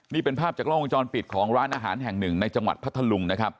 นี่เป็นภาพจากล้องวงจรปิดของร้านอาหารแห่งหนึ่งในจังหวัดพัทธลุงนะครับ